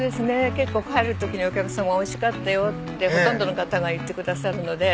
結構帰るときにお客さま「おいしかったよ」ってほとんどの方が言ってくださるので。